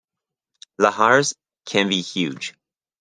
Lahars can be huge.